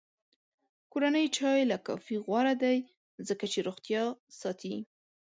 کورنی چای له کافي غوره دی، ځکه چې روغتیا ساتي.